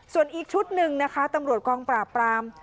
ส่วนอีกชุดหนึ่งนะคะตำรวจกองปราบปราม